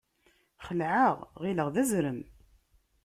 Xelɛeɣ, ɣilleɣ d azrem.